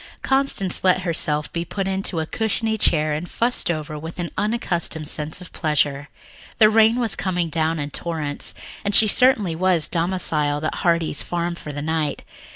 Constance let herself be put into a cushiony chair and fussed over with an unaccustomed sense of pleasure. The rain was coming down in torrents, and she certainly was domiciled at Heartsease Farm for the night.